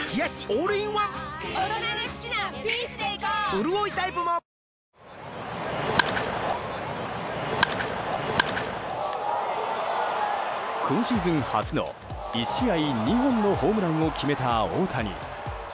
うるおいタイプも今シーズン初の、１試合２本のホームランを決めた大谷。